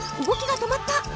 動きが止まった。